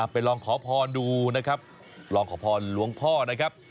ไปลองขอพรดูนะครับลองขอพรหลวงพ่อนะครับ